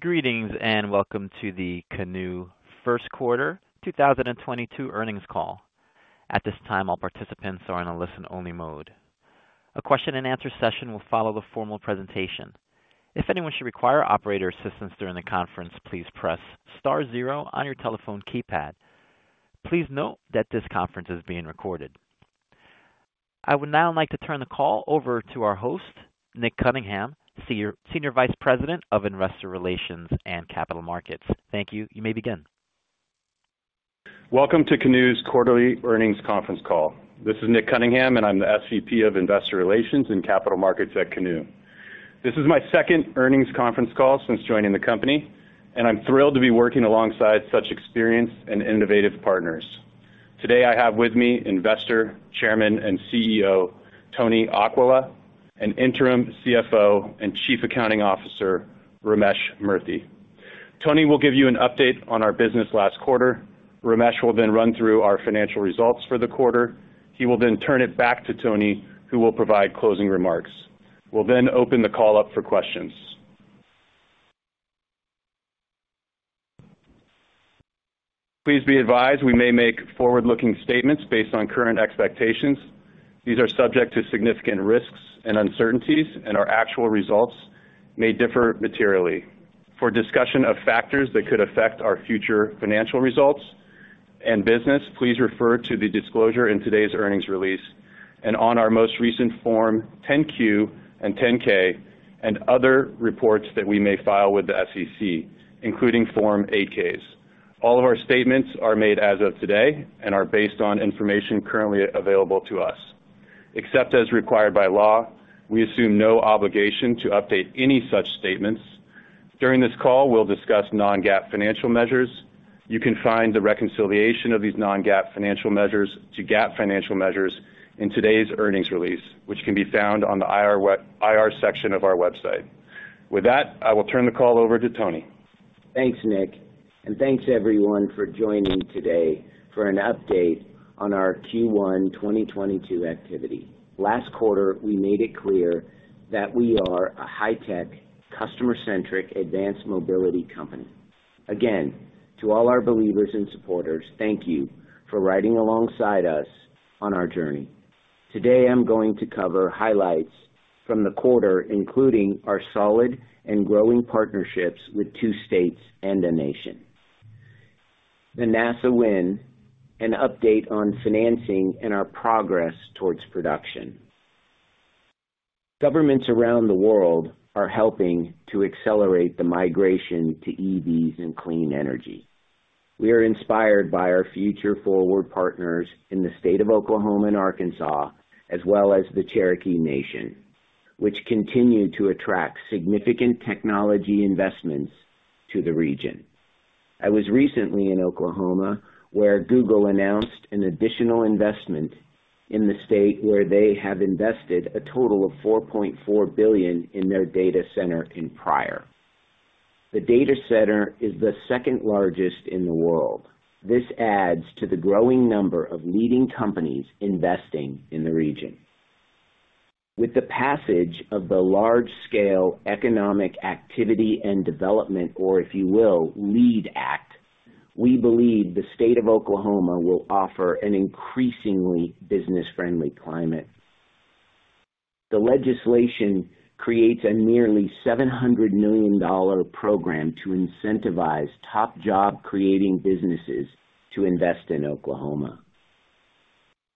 Greetings, and welcome to the Canoo first quarter 2022 earnings call. At this time, all participants are in a listen-only mode. A question and answer session will follow the formal presentation. If anyone should require operator assistance during the conference, please press star zero on your telephone keypad. Please note that this conference is being recorded. I would now like to turn the call over to our host, Nick Cunningham, Senior Vice President of Investor Relations and Capital Markets. Thank you. You may begin. Welcome to Canoo's quarterly earnings conference call. This is Nick Cunningham, and I'm the SVP of Investor Relations and Capital Markets at Canoo. This is my second earnings conference call since joining the company, and I'm thrilled to be working alongside such experienced and innovative partners. Today I have with me Investor, Chairman, and CEO Tony Aquila and Interim CFO and Chief Accounting Officer Ramesh Murthy. Tony will give you an update on our business last quarter. Ramesh will then run through our financial results for the quarter. He will then turn it back to Tony, who will provide closing remarks. We'll then open the call up for questions. Please be advised we may make forward-looking statements based on current expectations. These are subject to significant risks and uncertainties, and our actual results may differ materially. For discussion of factors that could affect our future financial results and business, please refer to the disclosure in today's earnings release and on our most recent Form 10-Q and 10-K and other reports that we may file with the SEC, including Form 8-Ks. All of our statements are made as of today and are based on information currently available to us. Except as required by law, we assume no obligation to update any such statements. During this call, we'll discuss non-GAAP financial measures. You can find the reconciliation of these non-GAAP financial measures to GAAP financial measures in today's earnings release, which can be found on the IR section of our website. With that, I will turn the call over to Tony. Thanks, Nick, and thanks everyone for joining today for an update on our Q1 2022 activity. Last quarter, we made it clear that we are a high-tech, customer-centric, advanced mobility company. Again, to all our believers and supporters, thank you for riding alongside us on our journey. Today, I'm going to cover highlights from the quarter, including our solid and growing partnerships with two states and a nation. The NASA win, an update on financing and our progress towards production. Governments around the world are helping to accelerate the migration to EVs and clean energy. We are inspired by our future forward partners in the state of Oklahoma and Arkansas, as well as the Cherokee Nation, which continue to attract significant technology investments to the region. I was recently in Oklahoma, where Google announced an additional investment in the state where they have invested a total of $4.4 billion in their data center in Pryor. The data center is the second-largest in the world. This adds to the growing number of leading companies investing in the region. With the passage of the Large-scale Economic Activity and Development, or if you will, LEAD Act, we believe the state of Oklahoma will offer an increasingly business-friendly climate. The legislation creates a nearly $700 million program to incentivize top job-creating businesses to invest in Oklahoma.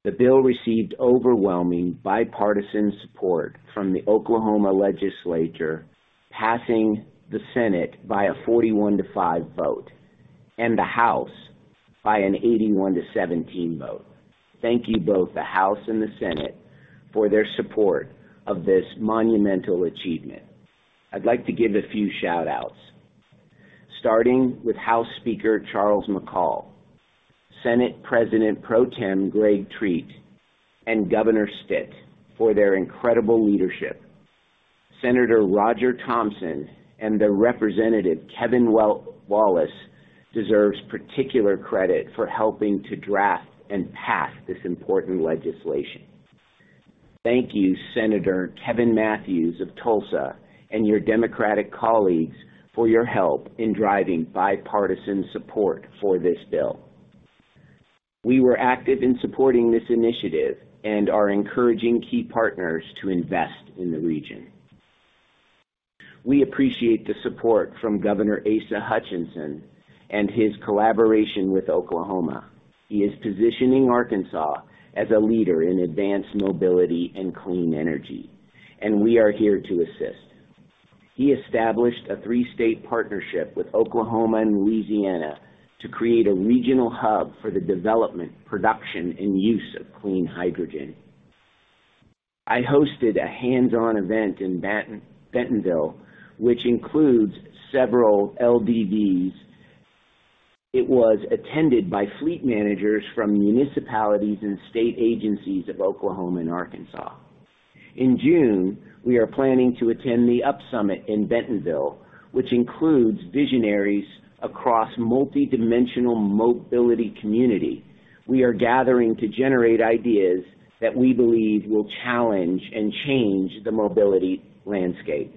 The bill received overwhelming bipartisan support from the Oklahoma legislature, passing the Senate by a 41-five vote and the House by an 81-17 vote. Thank you both the House and the Senate for their support of this monumental achievement. I'd like to give a few shout-outs, starting with House Speaker Charles McCall, Senate President Pro Tem Greg Treat, and Governor Stitt for their incredible leadership. Senator Roger Thompson and the Representative Kevin Wallace deserves particular credit for helping to draft and pass this important legislation. Thank you, Senator Kevin Matthews of Tulsa and your Democratic colleagues for your help in driving bipartisan support for this bill. We were active in supporting this initiative and are encouraging key partners to invest in the region. We appreciate the support from Governor Asa Hutchinson and his collaboration with Oklahoma. He is positioning Arkansas as a leader in advanced mobility and clean energy, and we are here to assist. He established a three-state partnership with Oklahoma and Louisiana to create a regional hub for the development, production, and use of clean hydrogen. I hosted a hands-on event in Bentonville, which includes several LDVs. It was attended by fleet managers from municipalities and state agencies of Oklahoma and Arkansas. In June, we are planning to attend the UP.Summit in Bentonville, which includes visionaries across multidimensional mobility community. We are gathering to generate ideas that we believe will challenge and change the mobility landscape.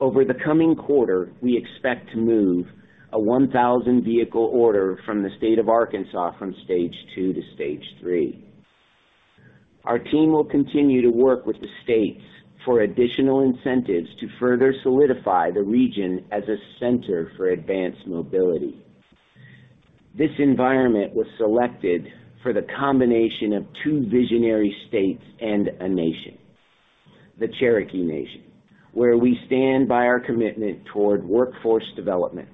Over the coming quarter, we expect to move a 1,000 vehicle order from the state of Arkansas from stage two to stage three. Our team will continue to work with the states for additional incentives to further solidify the region as a center for advanced mobility. This environment was selected for the combination of two visionary states and a nation, the Cherokee Nation, where we stand by our commitment toward workforce development.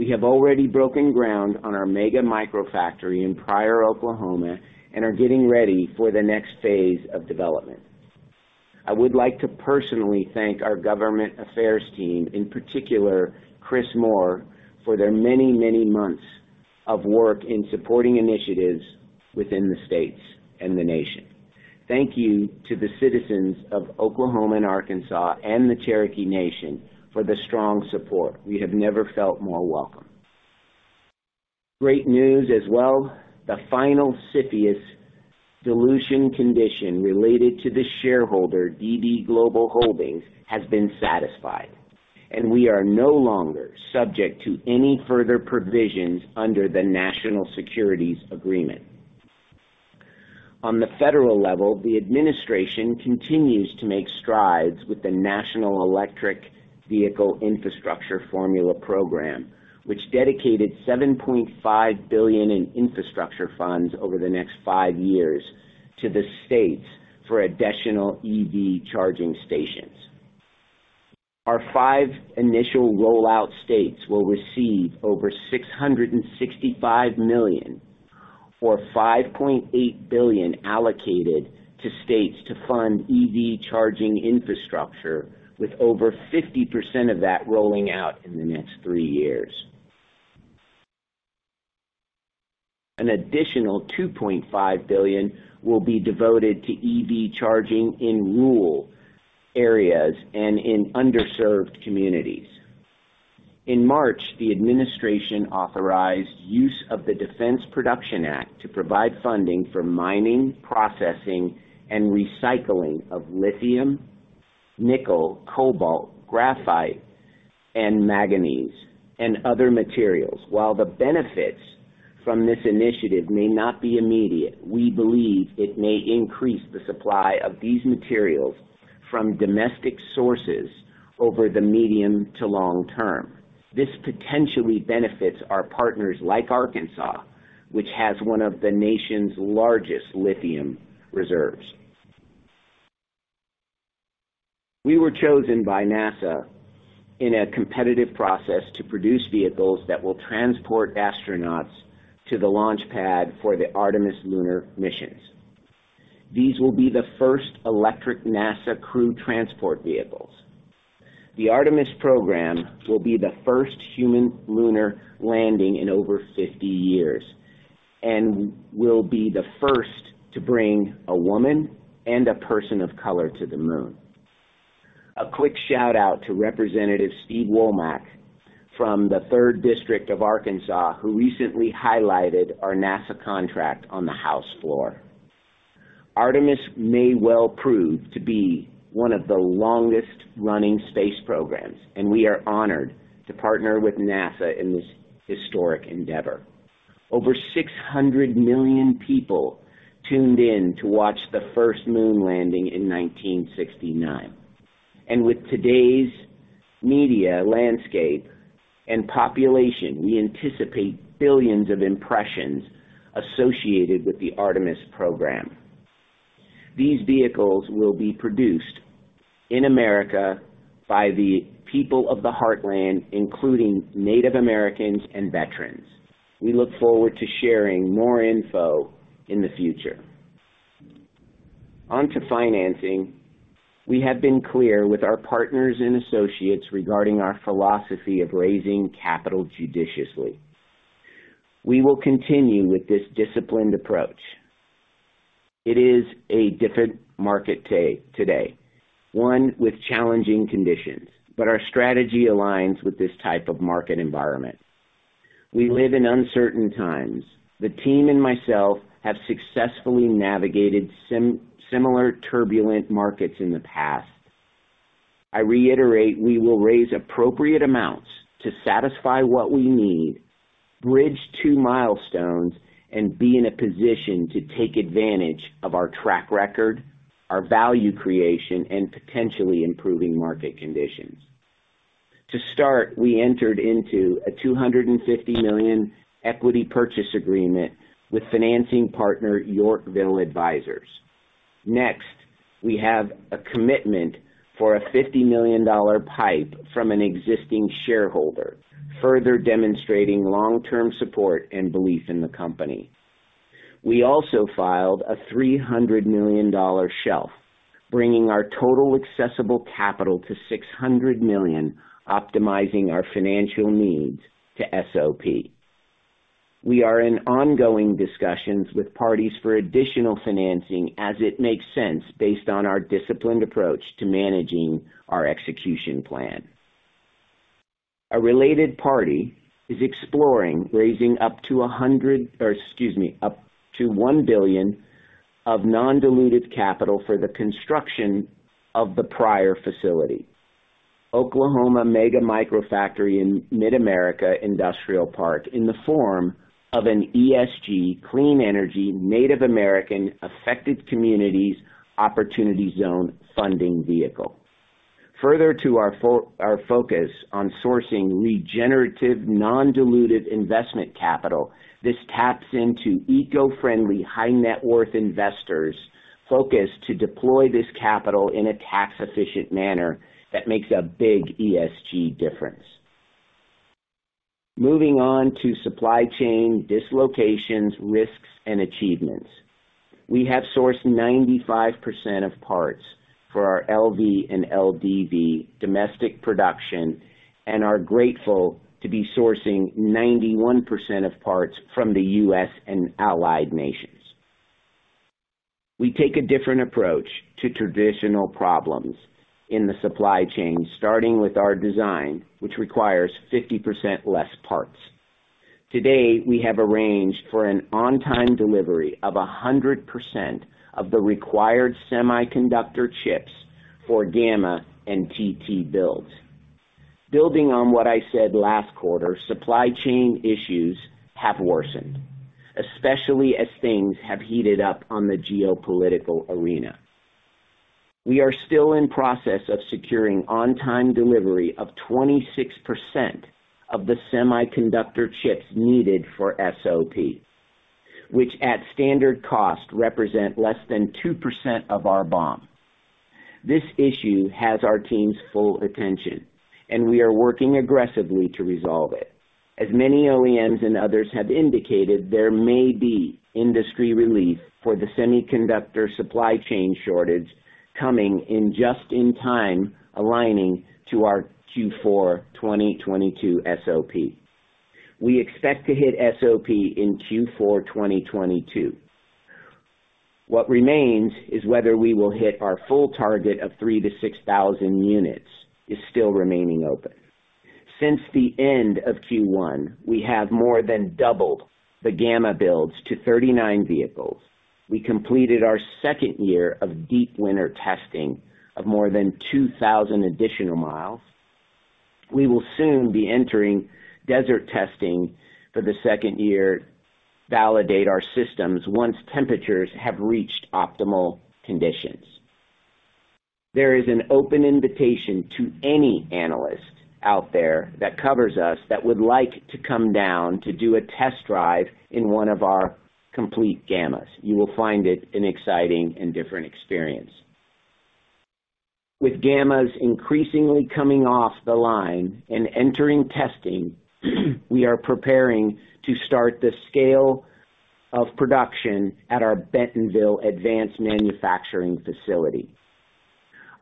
We have already broken ground on our MegaMicro Factory in Pryor, Oklahoma, and are getting ready for the next phase of development. I would like to personally thank our government affairs team, in particular Chris Moore, for their many, many months of work in supporting initiatives within the states and the nation. Thank you to the citizens of Oklahoma and Arkansas and the Cherokee Nation for the strong support. We have never felt more welcome. Great news as well. The final CFIUS dilution condition related to the shareholder, DD Global Holdings, has been satisfied, and we are no longer subject to any further provisions under the National Security Agreement. On the federal level, the administration continues to make strides with the National Electric Vehicle Infrastructure Formula Program, which dedicated $7.5 billion in infrastructure funds over the next five years to the states for additional EV charging stations. Our five initial rollout states will receive over $665 million for $5.8 billion allocated to states to fund EV charging infrastructure, with over 50% of that rolling out in the next three years. An additional $2.5 billion will be devoted to EV charging in rural areas and in underserved communities. In March, the administration authorized use of the Defense Production Act to provide funding for mining, processing, and recycling of lithium, nickel, cobalt, graphite, and manganese and other materials. While the benefits from this initiative may not be immediate, we believe it may increase the supply of these materials from domestic sources over the medium to long term. This potentially benefits our partners like Arkansas, which has one of the nation's largest lithium reserves. We were chosen by NASA in a competitive process to produce vehicles that will transport astronauts to the launch pad for the Artemis lunar missions. These will be the first electric NASA crew transport vehicles. The Artemis program will be the first human lunar landing in over 50 years, and will be the first to bring a woman and a person of color to the moon. A quick shout-out to Representative Steve Womack from the third district of Arkansas, who recently highlighted our NASA contract on the House floor. Artemis may well prove to be one of the longest-running space programs, and we are honored to partner with NASA in this historic endeavor. Over 600 million people tuned in to watch the first moon landing in 1969. With today's media landscape and population, we anticipate billions of impressions associated with the Artemis program. These vehicles will be produced in America by the people of the Heartland, including Native Americans and veterans. We look forward to sharing more info in the future. On to financing. We have been clear with our partners and associates regarding our philosophy of raising capital judiciously. We will continue with this disciplined approach. It is a different market today, one with challenging conditions, but our strategy aligns with this type of market environment. We live in uncertain times. The team and myself have successfully navigated similar turbulent markets in the past. I reiterate, we will raise appropriate amounts to satisfy what we need, bridge two milestones, and be in a position to take advantage of our track record, our value creation, and potentially improving market conditions. To start, we entered into a $250 million equity purchase agreement with financing partner Yorkville Advisors. Next, we have a commitment for a $50 million PIPE from an existing shareholder, further demonstrating long-term support and belief in the company. We also filed a $300 million shelf, bringing our total accessible capital to $600 million, optimizing our financial needs to SOP. We are in ongoing discussions with parties for additional financing as it makes sense based on our disciplined approach to managing our execution plan. A related party is exploring raising up to $100 million, or excuse me, up to $1 billion of non-diluted capital for the construction of the Pryor facility, Oklahoma MegaMicro Factory in Mid-America Industrial Park, in the form of an ESG clean energy Native American affected communities opportunity zone funding vehicle. Further to our focus on sourcing regenerative non-diluted investment capital, this taps into eco-friendly high net worth investors focused to deploy this capital in a tax-efficient manner that makes a big ESG difference. Moving on to supply chain dislocations, risks, and achievements. We have sourced 95% of parts for our LV and LDV domestic production and are grateful to be sourcing 91% of parts from the U.S. and allied nations. We take a different approach to traditional problems in the supply chain, starting with our design, which requires 50% less parts. Today, we have arranged for an on-time delivery of 100% of the required semiconductor chips for Gamma and TT builds. Building on what I said last quarter, supply chain issues have worsened, especially as things have heated up on the geopolitical arena. We are still in process of securing on-time delivery of 26% of the semiconductor chips needed for SOP, which at standard cost represent less than 2% of our BoM. This issue has our team's full attention, and we are working aggressively to resolve it. As many OEMs and others have indicated, there may be industry relief for the semiconductor supply chain shortage coming in just in time aligning to our Q4 2022 SOP. We expect to hit SOP in Q4 2022. What remains is whether we will hit our full target of 3,000-6,000 units still remaining open. Since the end of Q1, we have more than doubled the Gamma builds to 39 vehicles. We completed our second year of deep winter testing of more than 2,000 additional miles. We will soon be entering desert testing for the second year to validate our systems once temperatures have reached optimal conditions. There is an open invitation to any analyst out there that covers us that would like to come down to do a test drive in one of our complete Gammas. You will find it an exciting and different experience. With Gammas increasingly coming off the line and entering testing, we are preparing to start the scale of production at our Bentonville advanced manufacturing facility.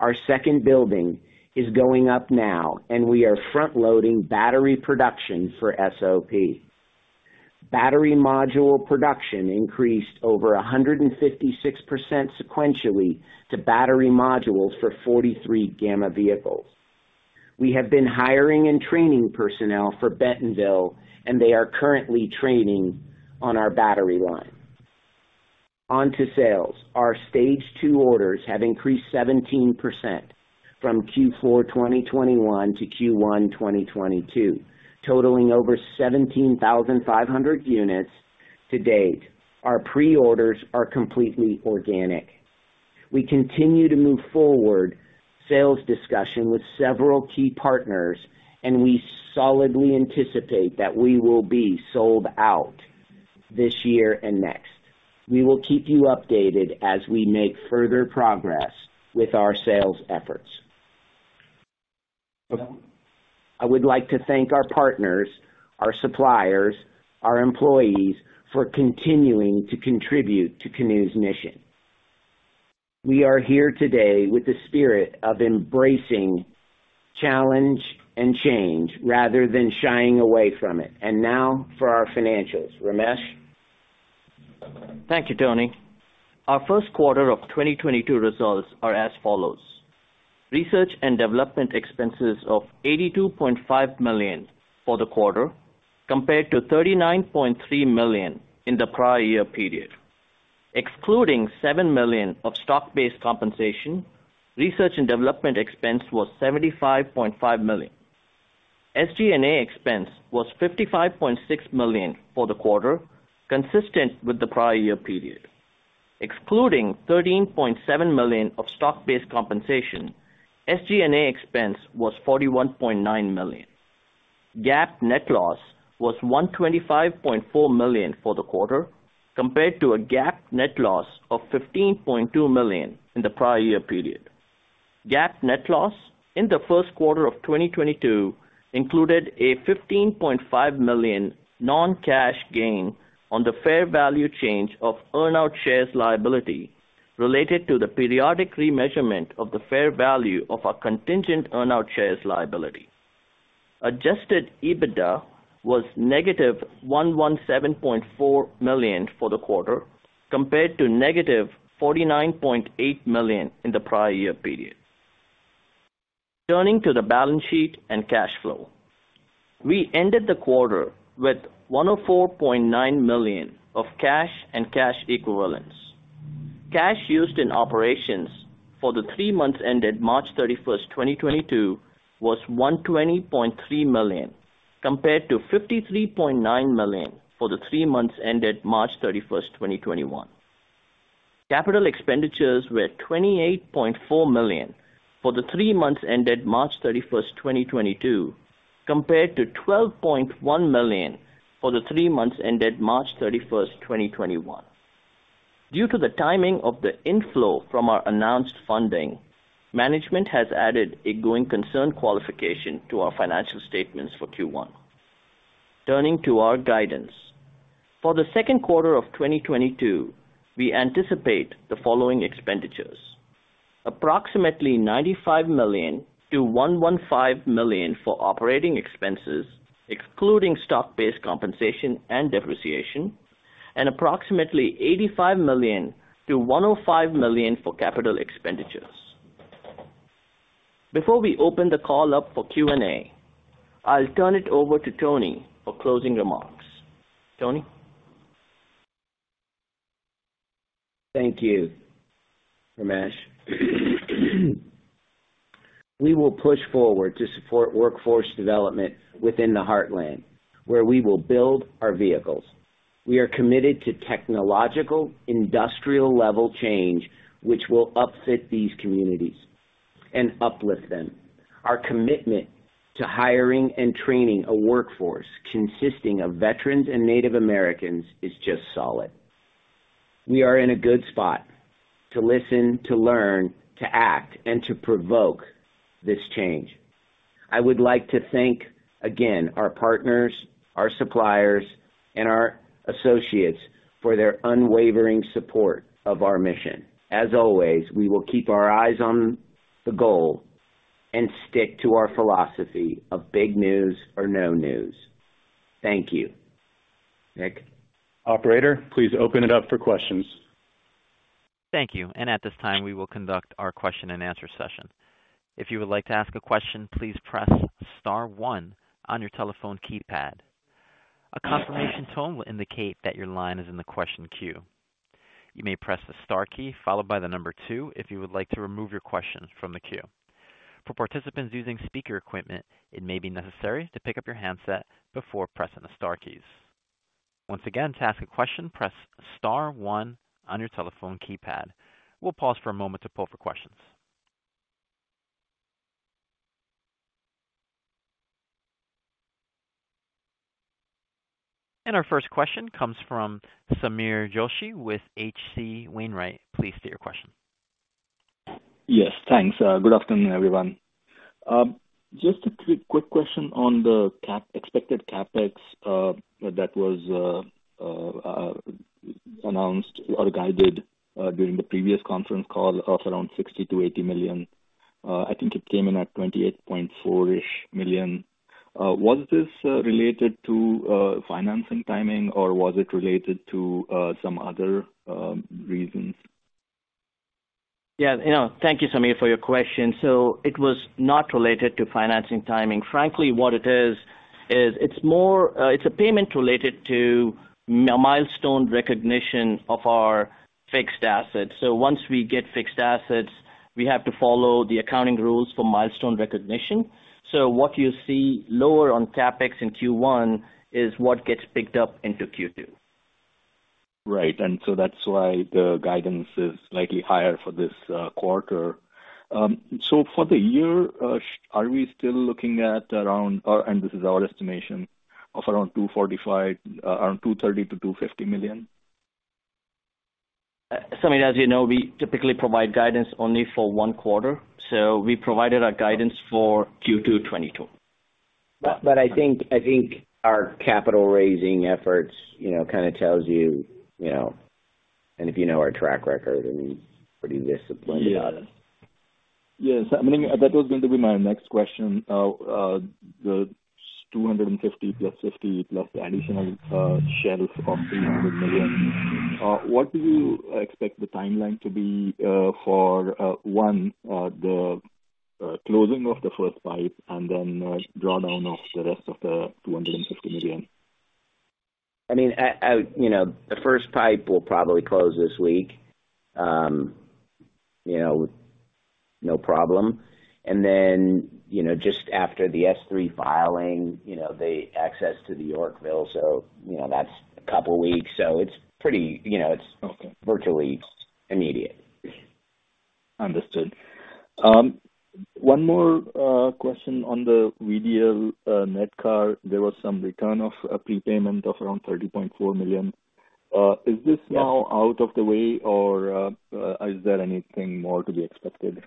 Our second building is going up now, and we are front-loading battery production for SOP. Battery module production increased over 156% sequentially to battery modules for 43 Gamma vehicles. We have been hiring and training personnel for Bentonville, and they are currently training on our battery line. On to sales. Our Stage two orders have increased 17% from Q4 2021 to Q1 2022, totaling over 17,500 units to date. Our pre-orders are completely organic. We continue to move forward sales discussion with several key partners, and we solidly anticipate that we will be sold out this year and next. We will keep you updated as we make further progress with our sales efforts. I would like to thank our partners, our suppliers, our employees for continuing to contribute to Canoo's mission. We are here today with the spirit of embracing challenge and change rather than shying away from it. Now for our financials. Ramesh? Thank you, Tony. Our first quarter of 2022 results are as follows: Research and development expenses of $82.5 million for the quarter, compared to $39.3 million in the prior year period. Excluding $7 million of stock-based compensation, research and development expense was $75.5 million. SG&A expense was $55.6 million for the quarter, consistent with the prior year period. Excluding $13.7 million of stock-based compensation, SG&A expense was $41.9 million. GAAP net loss was $125.4 million for the quarter, compared to a GAAP net loss of $15.2 million in the prior year period. GAAP net loss in the first quarter of 2022 included a $15.5 million non-cash gain on the fair value change of earnout shares liability related to the periodic remeasurement of the fair value of our contingent earnout shares liability. Adjusted EBITDA was -$117.4 million for the quarter. Compared to -$49.8 million in the prior year period. Turning to the balance sheet and cash flow. We ended the quarter with $104.9 million of cash and cash equivalents. Cash used in operations for the three months ended March 31st, 2022 was $120.3 million, compared to $53.9 million for the three months ended March 31st, 2021. Capital expenditures were $28.4 million for the three months ended March 31st, 2022, compared to $12.1 million for the three months ended March 31st, 2021. Due to the timing of the inflow from our announced funding, management has added a going concern qualification to our financial statements for Q1. Turning to our guidance. For the second quarter of 2022, we anticipate the following expenditures. Approximately $95 million-$115 million for operating expenses, excluding stock-based compensation and depreciation, and approximately $85 million-$105 million for capital expenditures. Before we open the call up for Q&A, I'll turn it over to Tony for closing remarks. Tony? Thank you, Ramesh. We will push forward to support workforce development within the Heartland, where we will build our vehicles. We are committed to technological industrial-level change, which will upfit these communities and uplift them. Our commitment to hiring and training a workforce consisting of veterans and Native Americans is just solid. We are in a good spot to listen, to learn, to act, and to provoke this change. I would like to thank again our partners, our suppliers, and our associates for their unwavering support of our mission. As always, we will keep our eyes on the goal and stick to our philosophy of big news or no news. Thank you. Nick? Operator, please open it up for questions. Thank you. At this time, we will conduct our question and answer session. If you would like to ask a question, please press star one on your telephone keypad. A confirmation tone will indicate that your line is in the question queue. You may press the star key followed by the number two if you would like to remove your question from the queue. For participants using speaker equipment, it may be necessary to pick up your handset before pressing the star keys. Once again, to ask a question, press star one on your telephone keypad. We'll pause for a moment to poll for questions. Our first question comes from Sameer Joshi with H.C. Wainwright. Please state your question. Yes, thanks. Good afternoon, everyone. Just a quick question on the expected CapEx that was announced or guided during the previous conference call of around $60 million-$80 million. I think it came in at $28.4-ish million. Was this related to financing timing, or was it related to some other reasons? Yeah, you know, thank you, Sameer, for your question. It was not related to financing timing. Frankly, what it is is a payment related to M&A milestone recognition of our fixed assets. Once we get fixed assets, we have to follow the accounting rules for milestone recognition. What you see lower on CapEx in Q1 is what gets picked up into Q2. Right. That's why the guidance is slightly higher for this quarter. For the year, are we still looking at around, and this is our estimation, of around $245, around $230 million-$250 million? Sameer, as you know, we typically provide guidance only for one quarter. We provided our guidance for Q2 2022. I think our capital raising efforts, you know, kind of tells you know, and if you know our track record and pretty disciplined on it. Yes, I mean, that was going to be my next question. The 250+ 50+ the additional shares of 300 million. What do you expect the timeline to be for one, the closing of the first PIPE and then drawdown of the rest of the 250 million? I mean, you know, the first PIPE will probably close this week, you know, no problem. You know, just after the S-3 filing, you know, the access to the Yorkville, so, you know, that's a couple weeks. It's pretty, you know, it's Okay. Virtually immediate. Understood. One more question on the VDL Nedcar. There was some return of a prepayment of around $30.4 million. Is this now out of the way, or is there anything more to be expected?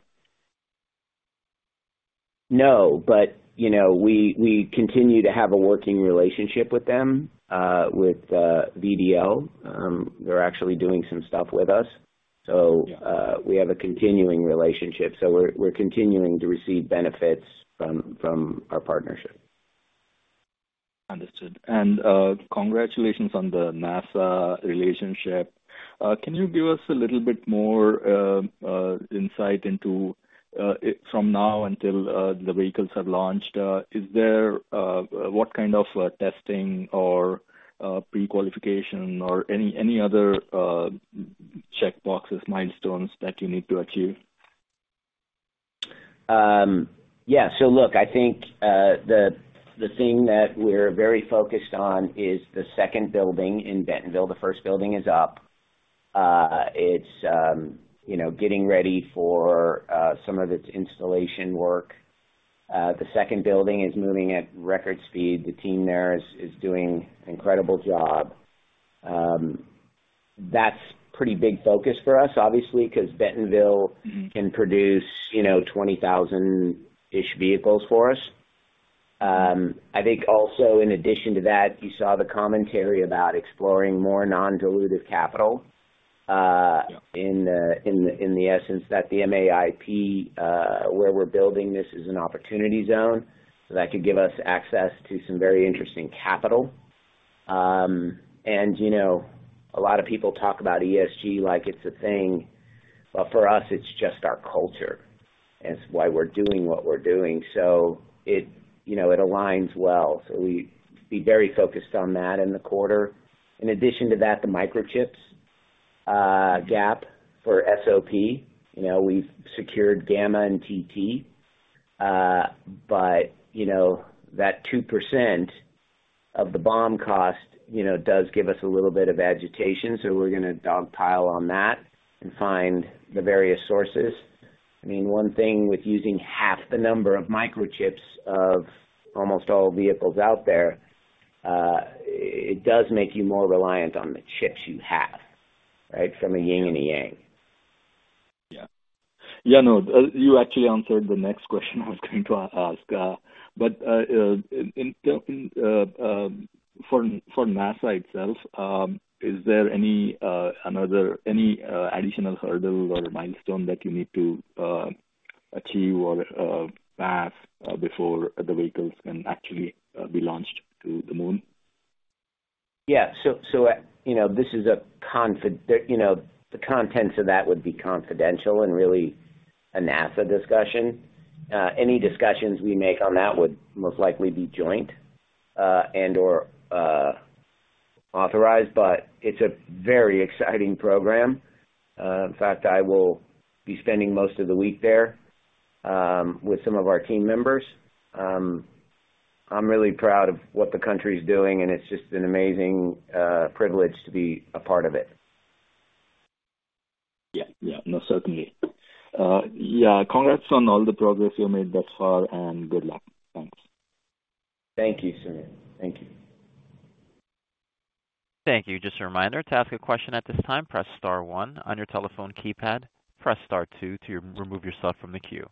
No, you know, we continue to have a working relationship with them, with VDL. They're actually doing some stuff with us. We have a continuing relationship, so we're continuing to receive benefits from our partnership. Understood. Congratulations on the NASA relationship. Can you give us a little bit more insight into from now until the vehicles have launched, is there what kind of testing or pre-qualification or any other checkboxes, milestones that you need to achieve? Yeah. Look, I think the thing that we're very focused on is the second building in Bentonville. The first building is up. It's you know, getting ready for some of its installation work. The second building is moving at record speed. The team there is doing incredible job. That's pretty big focus for us, obviously, because Bentonville can produce, you know, 20,000-ish vehicles for us. I think also in addition to that, you saw the commentary about exploring more non-dilutive capital. Yeah In the essence that the MAIP where we're building this is an opportunity zone. That could give us access to some very interesting capital. You know, a lot of people talk about ESG like it's a thing. But for us, it's just our culture. It's why we're doing what we're doing. It aligns well. We'll be very focused on that in the quarter. In addition to that, the microchips gap for SOP. You know, we've secured Gamma and TT, but you know, that 2% of the BoM cost, you know, does give us a little bit of agitation. We're gonna dog pile on that and find the various sources. I mean, one thing with using half the number of microchips of almost all vehicles out there, it does make you more reliant on the chips you have, right? From a yin and yang. Yeah. Yeah, no, you actually answered the next question I was going to ask. For NASA itself, is there any additional hurdle or milestone that you need to achieve or pass before the vehicles can actually be launched to the moon? Yeah. You know, the contents of that would be confidential and really a NASA discussion. Any discussions we make on that would most likely be joint and/or authorized, but it's a very exciting program. In fact, I will be spending most of the week there with some of our team members. I'm really proud of what the country is doing, and it's just an amazing privilege to be a part of it. Yeah. Yeah. No, certainly. Yeah, congrats on all the progress you made thus far, and good luck. Thanks. Thank you, Sameer. Thank you. Thank you. Just a reminder, to ask a question at this time, press star one on your telephone keypad, press star two to remove yourself from the queue.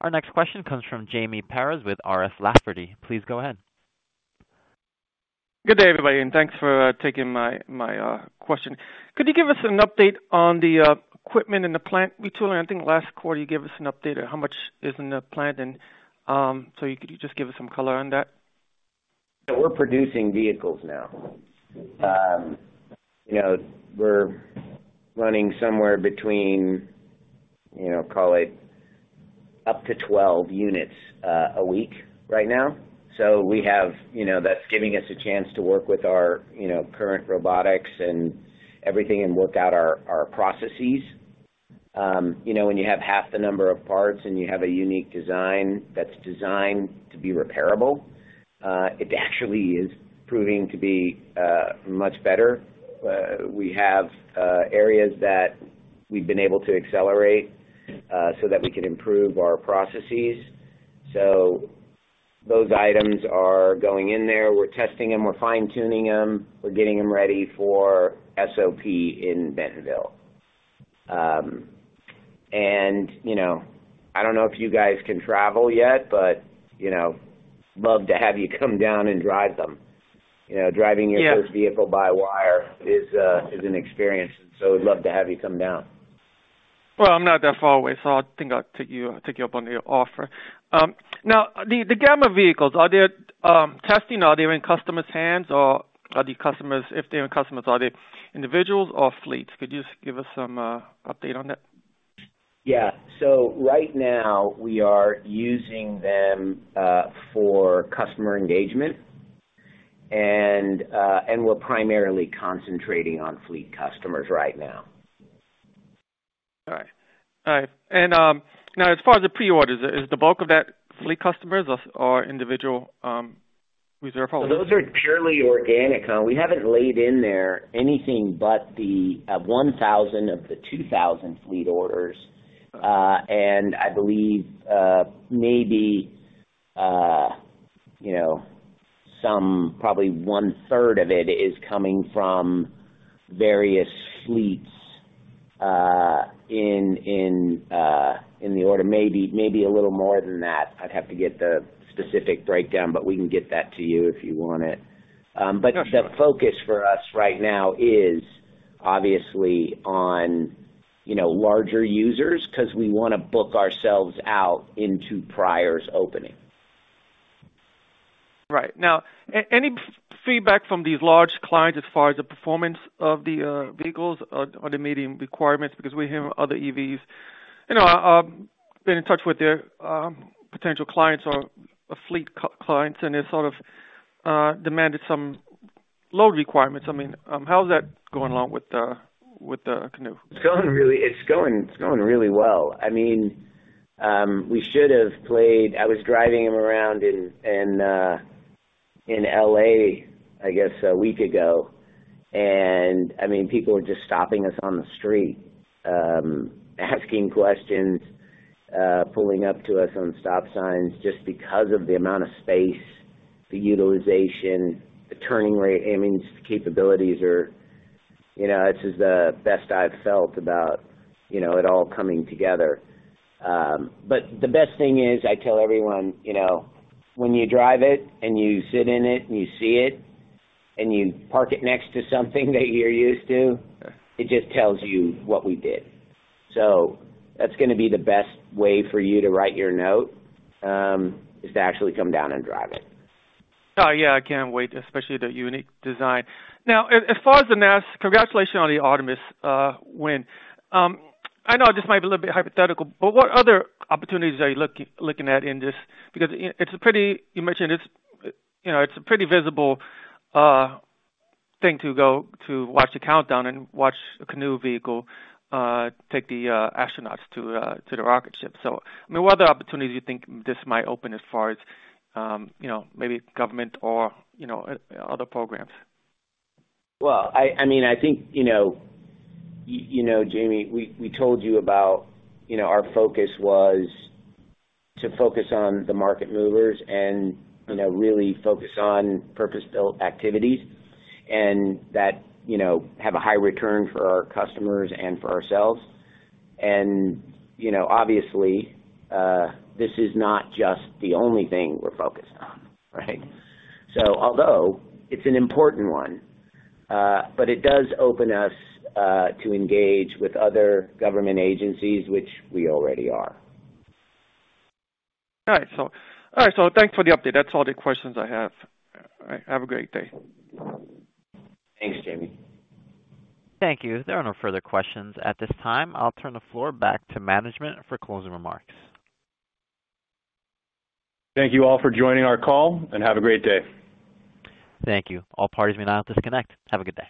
Our next question comes from Jaime Perez with R.F. Lafferty. Please go ahead. Good day, everybody, and thanks for taking my question. Could you give us an update on the equipment and the plant retooling? I think last quarter you gave us an update on how much is in the plant and so could you just give us some color on that? We're producing vehicles now. You know, we're running somewhere between, you know, call it up to 12 units a week right now. We have, you know, that's giving us a chance to work with our, you know, current robotics and everything and work out our processes. You know, when you have half the number of parts and you have a unique design that's designed to be repairable, it actually is proving to be much better. We have areas that we've been able to accelerate, so that we can improve our processes. Those items are going in there. We're testing them, we're fine-tuning them, we're getting them ready for SOP in Bentonville. You know, I don't know if you guys can travel yet, but you know, love to have you come down and drive them. You know, Yeah. Your first vehicle by wire is an experience. I'd love to have you come down. Well, I'm not that far away, so I think I'll take you up on your offer. Now the Gamma vehicles, are they at testing? Are they in customers' hands or are the customers if they're in customers, are they individuals or fleets? Could you give us some update on that? Yeah. Right now we are using them for customer engagement and we're primarily concentrating on fleet customers right now. All right. Now as far as the pre-orders, is the bulk of that fleet customers or individual reserve holders? Those are purely organic. We haven't laid in there anything but the 1,000 of the 2,000 fleet orders. I believe maybe you know some probably 1/3 of it is coming from various fleets in the order. Maybe a little more than that. I'd have to get the specific breakdown, but we can get that to you if you want it. Sure. The focus for us right now is obviously on, you know, larger users, 'cause we wanna book ourselves out into Pryor's opening. Right. Now, any feedback from these large clients as far as the performance of the vehicles? Are they meeting requirements? Because we hear other EVs, you know, been in touch with their potential clients or a fleet clients, and they sort of demanded some load requirements. I mean, how is that going along with the Canoo? It's going really well. I mean, I was driving them around in L.A., I guess a week ago, and I mean, people were just stopping us on the street, asking questions, pulling up to us on stop signs just because of the amount of space, the utilization, I mean, capabilities are. You know, this is the best I've felt about, you know, it all coming together. The best thing is I tell everyone, you know, when you drive it and you sit in it and you see it, and you park it next to something that you're used to, it just tells you what we did. That's gonna be the best way for you to write your note is to actually come down and drive it. Oh, yeah, I can't wait, especially the unique design. Now, as far as the NASA, congratulations on the Artemis win. I know this might be a little bit hypothetical, but what other opportunities are you looking at in this? Because you mentioned it's, you know, it's a pretty visible thing to go to watch the countdown and watch a Canoo vehicle take the astronauts to the rocket ship. I mean, what other opportunities you think this might open as far as, you know, maybe government or, you know, other programs? Well, I mean, I think, you know, you know, Jaime, we told you about, you know, our focus was to focus on the market movers and, you know, really focus on purpose-built activities and that, you know, have a high return for our customers and for ourselves. You know, obviously, this is not just the only thing we're focused on, right? Although it's an important one, but it does open us to engage with other government agencies, which we already are. All right. Thanks for the update. That's all the questions I have. Have a great day. Thanks, Jaime. Thank you. There are no further questions at this time. I'll turn the floor back to management for closing remarks. Thank you all for joining our call, and have a great day. Thank you. All parties may now disconnect. Have a good day.